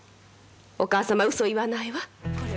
お母様うそ言わないわ。